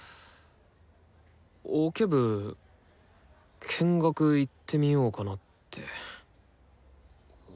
オケ部見学行ってみようかなって。